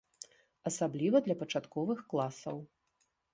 Асабліва для пачатковых класаў.